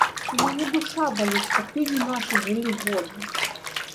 У мяне душа баліць, каб людзі нашы жылі годна!